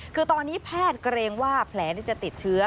คือตอนนี้แพทย์เกรงว่าแผลจะติดเชื้อ